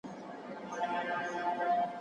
دغه نرمغالی دونه تېز دی چي سړی هک پک پاته کېږي.